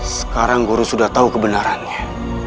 sekarang guru sudah tahu kebenarannya